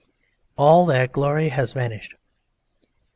All that glory has vanished.